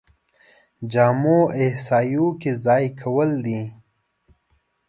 خامو احصایو کې ځای کول دي.